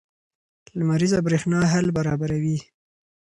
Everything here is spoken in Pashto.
لمریزه برېښنا حل برابروي.